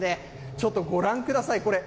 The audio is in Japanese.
ちょっとご覧ください。